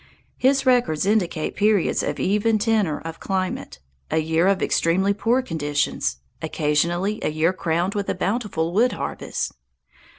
His records indicate periods of even tenor of climate, a year of extremely poor conditions, occasionally a year crowned with a bountiful wood harvest.